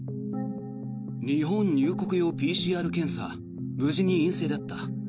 日本入国用ＰＣＲ検査無事に陰性だった。